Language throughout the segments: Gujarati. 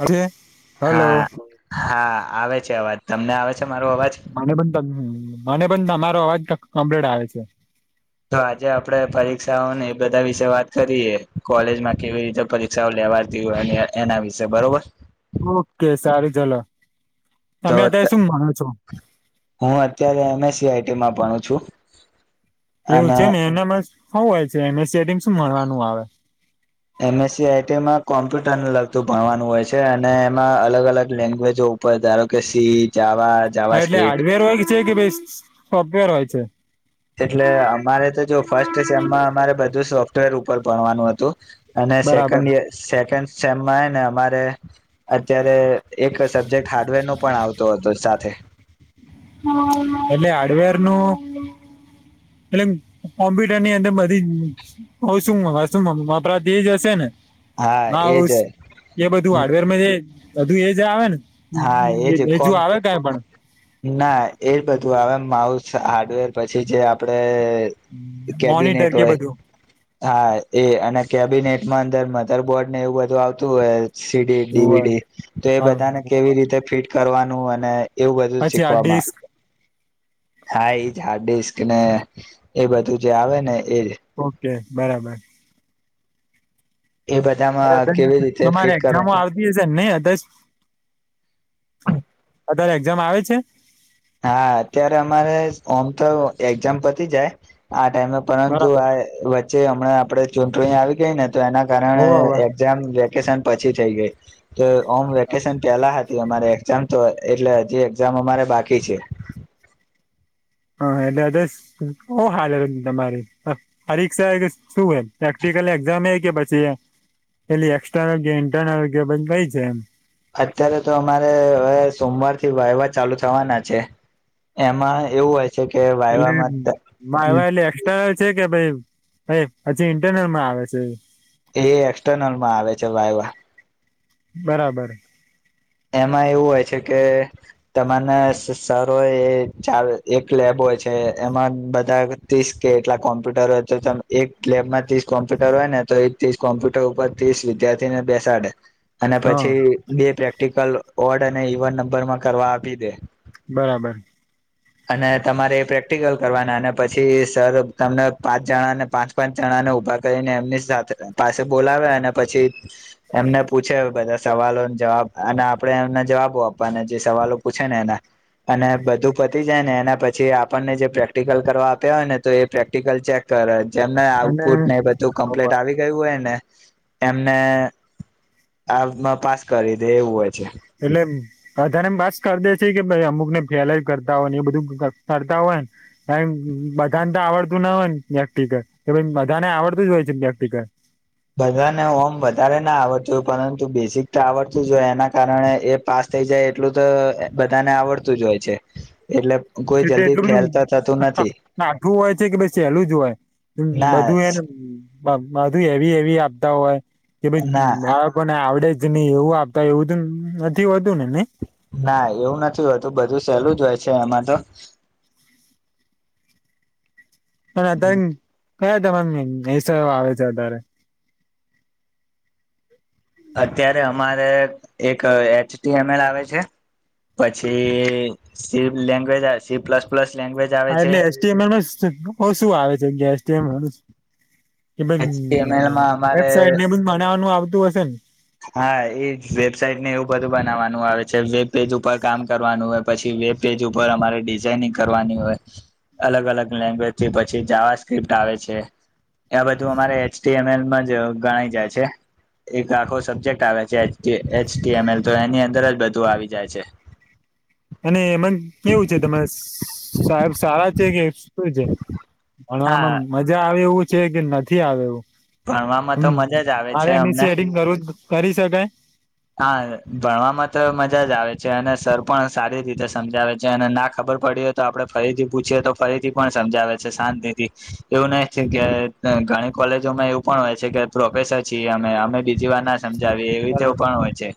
અરે. હલો હા હા આવે છે અવાજ તમને આવે. છે મારો અવાજ મને પણ મને પણ તમારો અવાજ કમ્પ્લીટ આવે છે. તો આજે આપડે પરીક્ષાઓને એ બધા વિશે વાત કરીએ કોલેજમાં કેવી રીતે પરીક્ષાઓ લે લેવાતી હોય એના વિશે બરોબર ઓકે સારુ ચલો તો તમે અત્યારે શું ભણો છો? હું અત્યારે એમએસી તીમાં ભણુ છું. એવું અને છેને એનામાં હોવું હોય છે એમ એસી આઈટીમાં શું મળવાનું આવે એમએસસી આઈટીમાં કોમ્પ્યુટર ને લગતું ભણવાનું હોય છે અને એમાં અલગ અલગ લેંગ્વેજો ઉપર ધારો કે સીજ હા એટલે હાર્ડવેર હોય છે કે સોફ્ટવેર હોય છે. એટલે અમારે તો જો ફર્સ્ટ સેમમાં અમારે બધું સોફ્ટવેર ઉપર ભણવાનું હતું. અને બરાબર સેકન્ડ સેકન્ડ સેમમાં ને અમારે અત્યારે એક સબ્જેક્ટ હાર્ડવેર નો પણ આવતો હતો સાથે એટલે હાડવેરનું એટલે કોમ્પ્યુટરની અંદર બધી શું આપ તે જ હશે ને હા એ બધું હાર્ડવેર ધું એજ આવે ને હા એજ હજુ આવે કાઈ પણ એ બધું આવે એમ માઉસ હાર્ડવેર પછી જે આપડે મોનિટર કેબિનેટ કે હોય બધું હા એ અને કેબિનેટ મા અંદર મધર બોર્ડ ને એવું બધું આવતું હોય સીડી હોવે ડીવીડી તો એ બધાને હા કેવી રીતે ફિટ કરવાનું અને એવું બધું અચ્છા શીખવામાં ડિસ્ક હા ઈ હાર્ડડીશ કે એ બધું જે આવે ને એજ કે બરાબર એ બધામાં કેવી રીતે તમારે ફિટ કરવા એક્ઝામો આવતી હશે નહી અધરસ અત્યારે એક્ઝામ આવે છે. હા અત્યારે અમારે ઓમ તો એક્ઝામ પતી જાય આ ટાઈમે પરંતુ બરાબર આ વચ્ચે હમણાં આપડે ચૂંટણી આવી ગઈને તો એના કારણે હોવે હોવે એક્ઝામ વેકેશન પછી થઈ ગઈ તો ઓમ વેકેશન પેલા તો અમારી એક્ઝામ તો એટલે હજી એક્ઝામ અમારે બાકી છે. હા એટલે [unintelligible] હાલ તમારી પરીક્ષા કે શું હોય પ્રેક એક્ઝામ એકે પછી પેલી એક્સટર્નલ કે ઇન્ટરનલ કે કઈ છે એમ અત્યારે તો અમારે હવે સોમવારથી વાયવા ચાલુ થવાના છે. એમાં એવું હોય છે કે એટલે વાયવામાં વાયવા એટલે એક્સ્ટર્નલ છે કે ભાઈ પહી પછી ઇન્ટરનેટમાં આવે છે. એ એક્સટર્નલમાં આવે છે વાયવા બરાબર એમાં એવું હોય છે કે તમાને સરઓ ચા એક લેબો હોય છે એમાં બધા ત્રીસ કે એટલા કોમ્પ્યુટર હોય છે એક લેબમાં ત્રીસ કોમ્પ્યુટર હોય ને તો એક ત્રીસ કોમ્પ્યુટર ઉપર ત્રીસ વિદ્યાર્થી ને બેસાડે અને હા પછી બે પ્રેક્ટિકલ વોર્ડ અને ઇવન નંબરમાં કરવા આપી દે બરાબર અને તમારે એ પ્રેક્ટિકલ કરવાના અને પછી સર તમને પાંચ જણા ને પાંચ પાંચ જણા ને ઉભા કરીને એમની પાસે બોલાવે અને પછી એમને પૂછે બધા સવાલ જવાબ અને આપણે એમના જવાબો આપવા અને જે સવાલો પૂછેને એના અને બધું પતી જાય ને એના પછી આપણને જે પ્રેક્ટિકલ કરવા આપ્યા હોય ને તો એ પ્રેક્ટિકલ ચેક કરે એમને અને આઉટપુટ ને બધું કમ્પ્લીટ આવી ગયું હોયને એમને આમાં પાસ કરી દે એવું હોય છે. એટલે અધારે એમ પાસ કરી દે છે કે પછી અમુક ને ફેલેય કરતા હોય ને એ બધું કરતા હોયને બધાને તો આવડતું ના હોય ને પ્રેક્ટિકલ કે બધાને આવડતું જ હોય છે પ્રેક્ટિકલ બધાને હોમ વધારે ના આવડતું હોય પરંતુ બેસિક તો આવડતું જોય એના કારણે એ પાસ. થઈ જાય એટલું તો બધાને આવડતું જ હોય છે. એટલે કોઈ એટલે જલ્દી એટલું જ ફેલ તો થતું નથી કાઠું હોય છે કે પછી સહેલું જ હોય. ના બધું એને. બધું એવી એવી આપતા હોય કે ભાઈ ના બાળકોને આવડે જ. નહી એવું આપતા એવું તો નથી હોતું ને નહી. ના એવું નથી હોતું બધું સહેલું જ હોય છે એમાં તો. [inaudible] પણ અત્યારે કયા [unintelligible] આવે છે અતારે અત્યારે અમારે એક એચટીએમએલ આવે છે. પછી C language C plus plus. Language આવે હા છે એટલે એચટીએમએલ મા શું આવે છે કે એચટીએમએલ. [unintelligible] એચટીએમએલમાં અમારે મનાવવાનું આવતું હશે ને. હા એ વેબસાઇટને એવું બધું બનાવવાનું આવે છે વેબપેજ ઉપર કામ કરવાનું હોય પછી, વેબપેજ ઉપર અમારે ડિઝાઇનિંગ કરવાની હોય. અલગ અલગ લેંગ્વેજથી પછી જાવા સ્ક્રિપ્ટ આવે છે. આ બધું અમારે એચટીએમએલ માંજ ગણાય જાય છે એક આખો સબ્જેક્ટ આવે છે એચટીએમએલ તો એની અંદર જ બધું આવી જાય છે. અને એમાં કેવું છે તમે સાહેબ સારા છે કે. શું છે ભણવામાં હા મજા આવે એવું છે કે નથી આવે એવું. ભણવામાં તો મજા જ [unintelligible] આવે છે અમને કરવું કરી શકાય. હા ભણવામાં તો મજા જ આવે છે અને સર પણ સારી રીતે સમજાવે છે અને ના ખબર. ખબર પડી હો તો આપડે ફરીથી પુછીએ તો ફરીથી પણ સમજાવે છે શાંતિથી એવું નહી કે. ઘણી કોલેજોમાં એવું પણ હોય છે કે પ્રોફેસર છીએ અમે અમે બીજી વાર ના. સમજાવી એવી તો બરાબર પણ હોય છે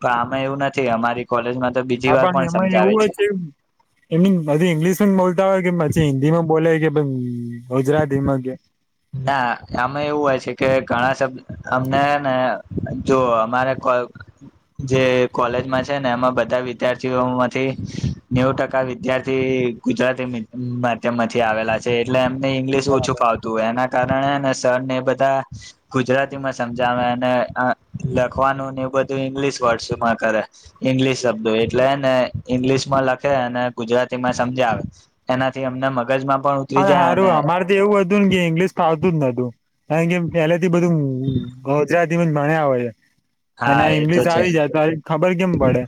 પણ આમે એવું નથી અમારી કોલેજમાં. તો બીજી હા વાર પણ એમાં સમજાવે એવું હો છે એમ બધી ઈંગ્લિશ બોલ. હોય કે પછી હિન્દીમાં બોલે કે ગુજરાતીમાં કે. ના આમે એવું હોય છે કે ઘણાબ અમને ને જો અમારે. કયો. જે કોલેજમાં છે ને એમાં બધા વિદ્યાર્થીઓ માંથી નેવું ટકા વિદ્યાર્થી. ગુજરાતી માધ્યમ માંથી આવેલા છે એટલે એમને ઇંગ્લિશ બરાબર. ઓછું ફત. એના કારણે સરને એ બધા ગુજરાતી માં સમજાવે અને લખવાનું. એવ બધું ઇંગ્લશ વર્ડમાં કરે ઈંગ્લિશ શબ્દો એટલે ને ઈંગ્લિશ માં લખે. ગુજરાતીમાં સમજ આવે એનાથી અમને મગજમાં. પણ ઉતરી અરે જાય સારું અને અમારે તો એવું હતું ને કે ઈંગ્લિશ કાવતું જ નતું. કાર કેમ પેલાથી બધું ગોજરા મણ આવે છે. અને હા આ એ તો ઇંગ્લિશ છે આવી જાય તો ખબર કેમ પડે.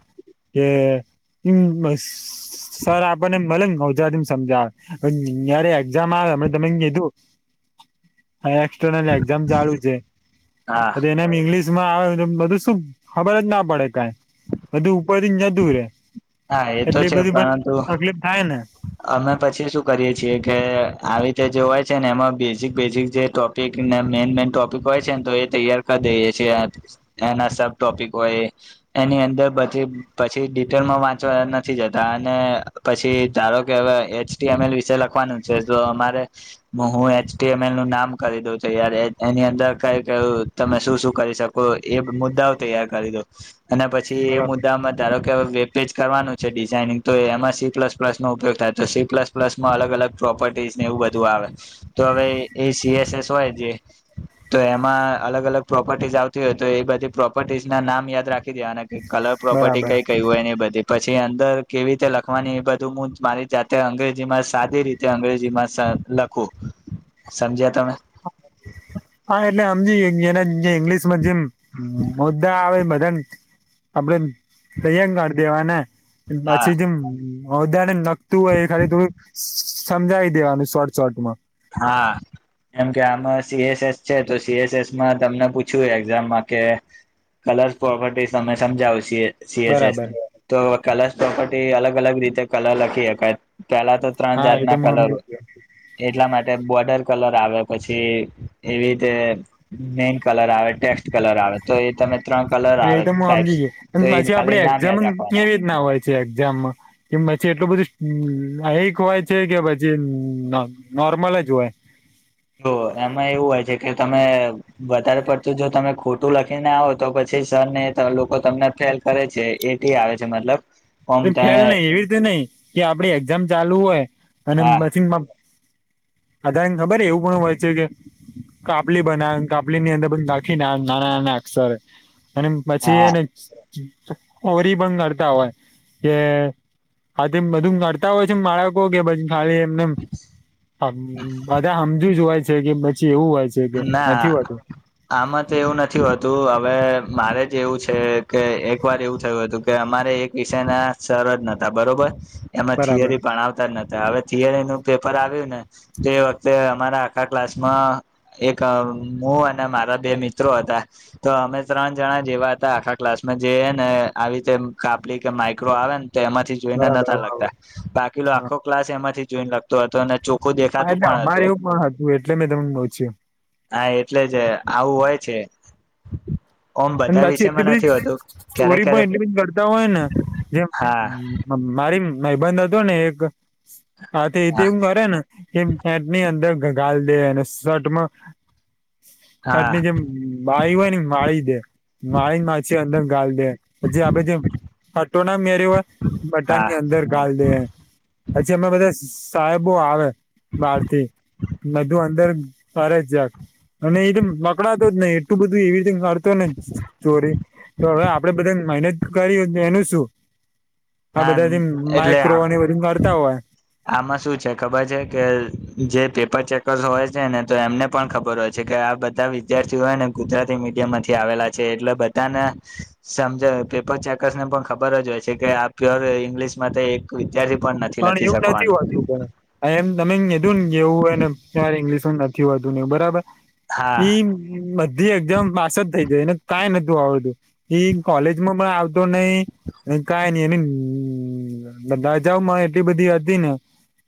કેમ સર આપણને મળ મોજરામ સમજાવ. યારે એક્ઝામ આવે અમમે તમે કીધું. હ એક્સટર્નલ એક્ઝામ ચાલુ છે હા એનેમ ઇંગ્લિશ. આવે બધું શું ખબર જ ના પડે કઈ બધું ઉપર જ ન દૂરે. હા એ તો છે પરંતુ થાય ને અમે પછી શું કરીએ છીએ. કે આવી રીતે જે હોય છે ને એમાં બેઝિક બેઝિક જે ટોપિકને મેઈન મેન ટોપિક હોય છે ને તો એ. તૈયાર કરી દઈએ છ છે એના સબ ટોપિક હોય એની અંદરી પછી. િટેલમાં. પાચ નથી જતા અને પછી ધારો કે હ એચ એમલ વિશે લખવાનું છે તો અમારે. હું એચલ નું નામ કરી દય એની અંદર કઈ ક તમે શું શું. કરી શકો એ મુદ્દા તૈયાર કરી દો અને પછી એ બરાબર મુદ્દામાં ધારો કે. પેજ કરવાનું છે ડિઝાઇનિંગ તો એમાં સી પલ પ્લસનોો ઉપયોગ થાય તો સી પ્લસ પ્લસમાં અલગ અલગ પ્રોપર્ટીસ. એવું બધું આવે તો હવે એ સીએસ એસ હોય જે તો એમાં અલગ અલગ. પ્રોપર્ટીઝ આવતી હોય તો એ બધી પ્રોપર્ટીઝ ના યાદ રાખી દેવા અને કલર પ્રોપર્ટી બરાબર કઈ કઈ હોય ને એ બધ. પછી અંદર કેવી રીતે લખવાની એ બધું હું મારી જાતે અંગ્રેજી માં સાદી રીતે અંગ્રેજી માં. લખું સમજ્યા તમે. હા એટલે અમજી જેના. ઇંગ્લશ મધમદ્દા આવે. આપડ દૈ્ય કરઢ દેવાને હા પછી. અધા ને નખતું હોય એ ખાલી થોડું સમજાવી દેવાનું શોર્ટ શોર્ટ માં. હા. એમ કે આમાં સીએસએસ છે તો સીએસએસમાં તમને પૂછ્યું એક્ઝામમાં કે. કલર્ પ્રોપર્ટી અમે સમજાવ છી. સીએસ બરાબર એસની તો કલશ પ્રોપર્ટી અલગ અલગ રીતે કલર લખી શકાય. પેલા તો ત્રણ હા એ તો જાતના હું કલર સમજી હોય. ગયો એટલા માટે બોર્ડર કલર આવે પછી એવી રીતે મેક. કલર આવે ટેક્સ્ટ કલર આવે તો એ તમે ત્રણ કલર હા એ આવે તો હું ટાઈપ્સ સમજી ગયો અને તો એ પછી ખાલી આપડે નામ એક્ઝામ યાદ રાખો. કેવી જ ના હોય છે. ામમાં પછી એટલું બધુંવાય છે કે પછી. નોર્મલે જ હોય. જો એમાં એવું હોય છે કે તમે વધારે પડતું જો તમે ખોટું લખીને આવો તો પછી. સર ને લોકો તમને ફેલ કરે છે એટી આવે છે મતલબ. ઓમ એ તમે ખ્યાલ નઈ એવી રીતે નહી કે આપડી એક્ઝામ ચાલુ હોય અને હા મસીનમાં. અધાને ખબર એવું પણ હોય છે કે. કાપલી બના કાપલી ની અંદર બ રાખીને નાના નાના અક્ષરે. અને પછી હા એને ઓરી પણ કરતા હોય. કે આ તે બધું નતા હોય છે માળાકો કેછ. ખાલી એમને બધા હમજી જોવાય છે કે પછ ના આમાં તો એવું નથી હોતું હવે મારે જ એવું છે કે એક વાર એવું થયું હતું કે અમારે એક વિષયના સર જ નથી બરોબર એમાં બરાબર થિયરી પણ આવતા જ નતા હવે થિયરીનું પેપર આવ્યું ને તે વખતે અમારા આખા ક્લાસમાં એક હું અને મારા બે મિત્રો હતા તો અમે ત્રણ જણા જેવા હતા આખા ક્લાસ જેને આવી રીતે કાપલી કે માઈક્રો આવેને તો એમાંથી જોઈને બરાબર નતા હ લખતા હા બાકીલો આખો ક્લાસ એમાંથી જોઈને લખતો હતો અને ચો હા એટલે અમારે એવું પણ હતું એટલે મેં તમ હા એટલે જ આવું હોય છે. ઓમ અને બધા પાછી એટલી વિષયમાં બધી નથી હોતું ક્યારેક ચોરી પણ ક્યારેક એટલી બધી કરતા હોય ને જે હા મારી ભાઈબંધ હતોને એક હા તે તેવું કરે ને કે ફેટની અંદર ગ ગાલ દે અને શર્ટમાં હાટની હા જેમ બાય હોયને વાળી દે વાળી માછે અંદર ગાલ દે પછી આપડે જે ફટો ના મેરે હોય હા બટનની અંદર ગાલ દે પછી અમે બધા સાહેબો આવે બારથી બધું અંદર ફરે જક અને એ જેમ પકડાતો જ નઈ એટલું બધું એવી રીતે કરતો ને ચોરી તો હવે આપડે બધા મહેનત કરી એનું શું આ હા બધાથી એટલે માઈક્રોની વરિંગ કરતા હોય. આમાં શું છે ખબર છે કે જે પેપર ચેકર્સ હોય છે ને તો એમને પણ ખબર હોય છે. કે આ બધા વિદ્યાર્થીઓને ગુજરાતી મીડિયમ માંથી આવેલા છે એટલે બધાને સમજણ પેપર ચેકર્સને પણ ખબર જ હોય છે કે આ પ્યોર ઇંગ્લિશ માટે એક વિદ્યાર્થી પણ નથી. પણ લખી એવું નથી શકવાનો હોતું પણ એમ તમે કીધુંને એવું હોયને ત્યારે ઈંગ્લિશ ન કેવાતુને બરાબર હા ઈ બધી એક્ઝામ પાસ જ થઈ જાય એને કાઈ નથી જો અવે તો ઈ કોલેજમાં પણ આવતો નહી કાઈ ની એને રજામાં એટલી બધી હતી ને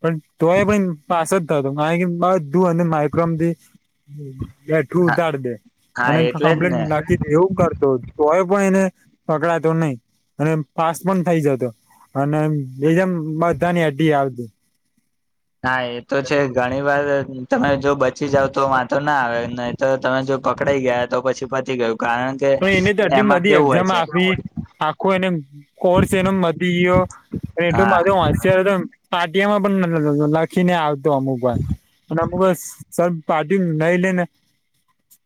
પણ તોય પણ એમ પાસ જ થતો, કારણ કે બધું અને માઇક્રોમથી બેઠું હા ઉતારી દે, હા અને એટલે જ કમ્પ્લેન ને નાખી, એવું કરતો તોય પણ એને પકડાતો નહી, અને પાસ પણ થઇ, જતો અને એમ બધાની, અધી આવતી હા, એ તો છેજ, ઘણીવાર તમે જો બચી જાવ, તો વાતો ના આવે નહી, તો તમે જો પકડાઈ ગયા, તો પછી પતી ગયું. કારણ કે પણ એને આટલી એમાં બધી કેવું હોય એક્ઝામ છે આપી, આખો એને કોર્સ, એનો મતી ગયો અને એટલું હા મારુ હોશિયાર હતો, એમ પાટીયામાં, પણ લ લ લ લખીને આવતો, અમુક વાર અને અમુક વાર સર પાર્ટી નઈ, લેને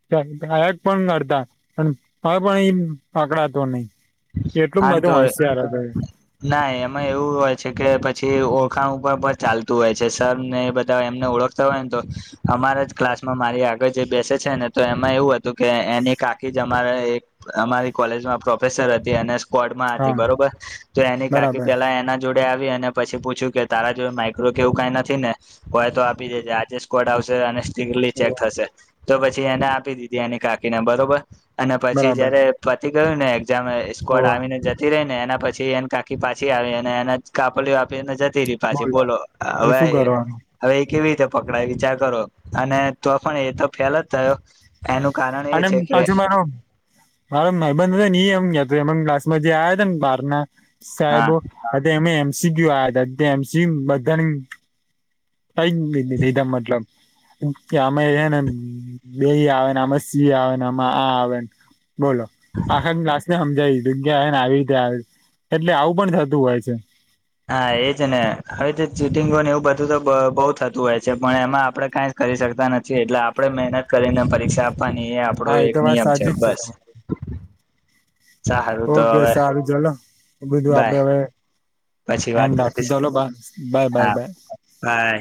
ગા ગાયક પણ કરતા પણ હવે, પણ ઈ પકડાતો નહી એટલું હા, તો બધું હોશિયાર હતો એ ના એમાં એવું હોય છે, કે પછી ઓ ખાણ ઉપર પણ ચાલતું હોય છે, સરને એ બધ એમને ઓળખતા હોયને, તો અમારા જ ક્લાસમાં મારી આગળ જે બેસે છેને, તો એમાં એવું હતું, કે એની કાકી જ અમારે એક અમારી કોલેજમાં પ્રોફેસર હતી. તી અને સ્કવડમાં હતી, હા બરોબર તો એની કાકી બરાબર પેલા એના જોડ ડે આવી અને પછી પૂછ્યું કે તારા જો માઇક્રો કેવું કઈ નથી, ને હોય, તો આપી દેજે આજે સ્કોડ આવશે. શે અને સ્ટ્રીકલી ચેક થશે, તો પછી એને આપી દીધી એની કાકીને બરોબર અને પછી બરાબર જયારે, પતિ ગયુંને એક્ઝામ સ્કોડ હોવે આવીને જતી રહીને ને એના પછી, એને કાકી પાછી, આવી અને એને કાપલી આપીને જ તી રી પાછી બોલો હવે, શું એ કરવાનું હવે એ કેવી રીતે પકડાય, વિચાર કરો અને તો પણ એ તો ફેલ જ થયો એનું કારણ એ અને છે કે પાછુ, માનો મારા ભાઈબંધની એમ કેતો, એમ ક્લાસમાં જે આવયા હતા, ને બહારના હા સાહેબો હાથે, એમે એમસીકયુ આ તા તે એમસી બધાની કઈીીધા, મતલબ. કે અમેને, બે આવેમે. સી આવે આમાં આ આવે ને બોલો, આખા લને. જગ્યા, ને આવી રીતે આવે એટલે આવું પણ થતું હોય છે. હા, એજ ને હવે, તો ચીટિંગો ને એવું બધું તો બહુ થતું હોય છે, પણ એમાં આપડે કઈ. કરી શકતા નથી, એટલે આપણે મહેનત કરીને પરીક્ષા. આપવાની એ આપણો હા એક તો વાત નિયમ છે, સાચી જ બસ. તમારી સારું તો ઓકે હવે સારું ચલો બીધું, આપડે બાય હવે. પછી એ વાત રાખું કરીશું ચાલો બ બાય, બાય, હા બાય. બાય